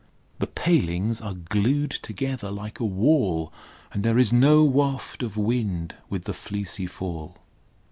The palings are glued together like a wall, And there is no waft of wind with the fleecy fall.